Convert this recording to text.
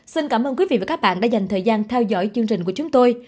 xin cảm ơn quý vị và các bạn đã dành thời gian theo dõi chương trình của chúng tôi